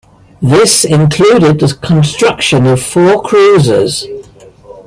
This included the construction of four cruisers.